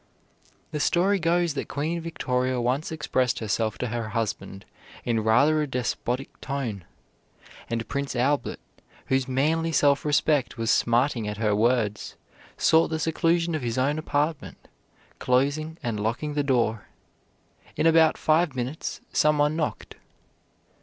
The story goes that Queen Victoria once expressed herself to her husband in rather a despotic tone, and Prince Albert, whose manly self respect was smarting at her words, sought the seclusion of his own apartment, closing and locking the door. In about five minutes some one knocked.